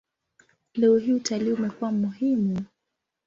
Leo hii utalii umekuwa muhimu.